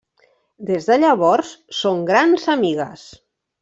Des de llavors són grans amigues.